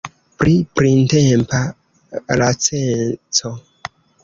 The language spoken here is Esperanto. Pri printempa laceco.